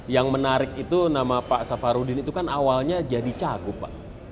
yang menarik itu nama pak safarudin itu kan awalnya jadi cagup pak